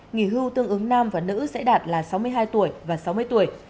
nghỉ hưu tương ứng nam và nữ sẽ đạt là sáu mươi hai tuổi và sáu mươi tuổi